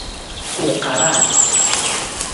U karaa.